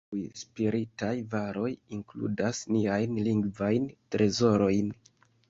Tiuj spiritaj varoj inkludas niajn lingvajn trezorojn.